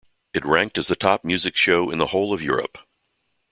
It ranked as the top music show in the whole of Europe.